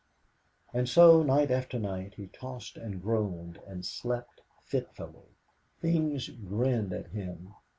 And so, night after night, he tossed and groaned, and slept fitfully. Things grinned at him.